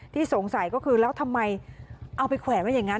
สงสัยก็คือแล้วทำไมเอาไปแขวนไว้อย่างนั้น